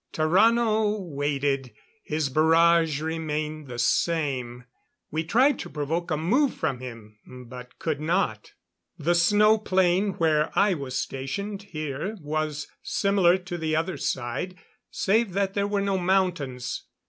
Tarrano waited; his barrage remained the same. We tried to provoke a move from him, but could not. The snow plain where I was stationed here was similar to the other side, save that there were no mountains.